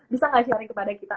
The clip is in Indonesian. bisa nggak sharing kepada kita